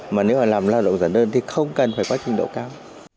mà nếu mà làm lao động giản đơn thì không cần phải có trình độ cao